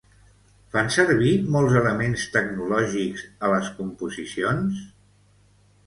Fan servir molts elements tecnològics a les composicions?